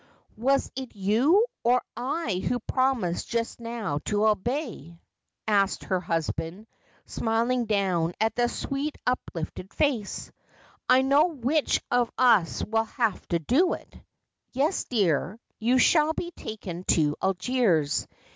' "Was it you or I who promised just now to obey 1 ' asked her husband, smiling down at the sweet uplifted face. 'I know which of us will have to do it. Yes, dear, you shall be taken to Algiers.